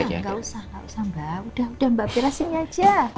gak usah mbak udah mbak bella sini aja